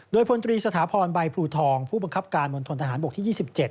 โดยพลตรีสถาพรใบพลูทองผู้บังคับการมณฑนทหารบกที่๒๗